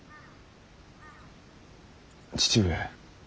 父上。